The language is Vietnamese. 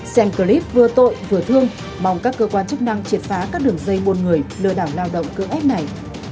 xem clip vừa tội vừa thương mong các cơ quan chức năng triệt phá các đường dây buôn người lừa đảo lao động cưỡng ép này